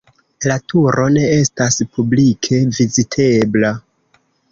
La turo ne estas publike vizitebla.